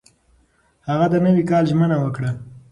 هغه د نوي کال ژمنه وکړه.